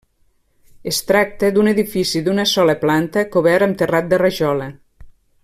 Es tracta d'un edifici d'una sola planta cobert amb terrat de rajola.